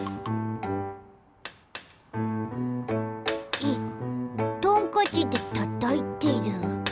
えっトンカチでたたいてる。